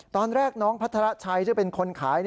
ตอนแรกน้องพัทรชัยซึ่งเป็นคนขาย